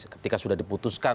ketika sudah diputuskan